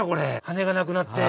羽がなくなって。